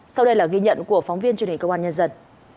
sau đây là ghi nhận của phóng viên truyền hình công an nhân dân